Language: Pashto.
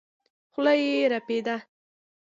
خوله يې رپېده.